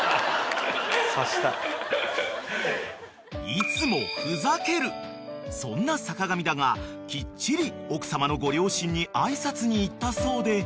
［いつもふざけるそんな坂上だがきっちり奥様のご両親に挨拶に行ったそうで］